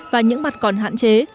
và những mặt còn hạn chế